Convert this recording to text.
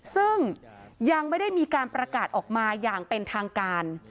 ซึ่งยังไม่ได้มีการประกาศออกมาอย่างเป็นทางการ